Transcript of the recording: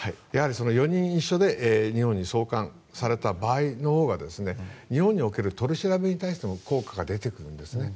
やはり４人一緒で日本に送還された場合のほうが日本における取り調べにも効果が出てくるんですね。